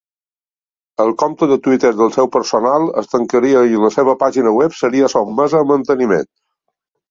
El compte de Twitter del seu personal es tancaria i la seva pàgina web seria sotmesa a manteniment.